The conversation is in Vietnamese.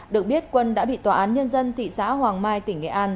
được biết quân đã bị tòa án nhân dân thị xã hoàng mai tỉnh nghệ an